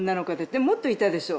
でもっといたでしょ？